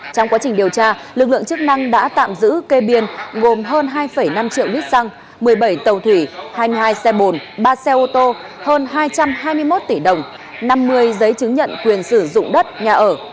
trong quá trình điều tra lực lượng chức năng đã tạm giữ kê biên gồm hơn hai năm triệu lít xăng một mươi bảy tàu thủy hai mươi hai xe bồn ba xe ô tô hơn hai trăm hai mươi một tỷ đồng năm mươi giấy chứng nhận quyền sử dụng đất nhà ở